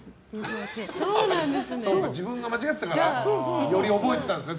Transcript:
自分が間違っていたからより覚えていたんですね。